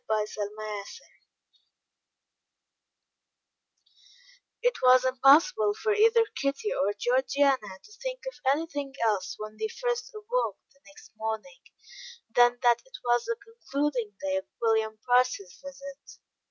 Chapter XIX It was impossible for either Kitty or Georgiana to think of anything else when they first awoke the next morning, than that it was the concluding day of William Price's visit.